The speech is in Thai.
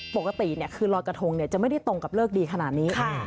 ปกติคือรอยกระทงจะไม่ได้ตรงกับเลิกดีขนาดนี้